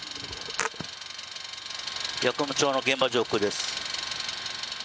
八雲町の現場上空です。